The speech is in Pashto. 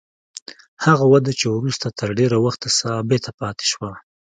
هغه وده چې وروسته تر ډېره وخته ثابته پاتې شوه.